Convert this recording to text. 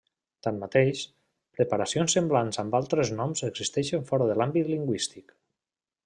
Tanmateix, preparacions semblants amb altres noms existeixen fora de l'àmbit lingüístic.